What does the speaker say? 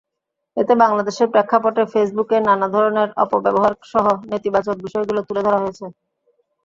এতে বাংলাদেশের প্রেক্ষাপটে ফেসবুকের নানা ধরনের অপব্যবহারসহ নেতিবাচক বিষয়গুলো তুলে ধরা হয়েছে।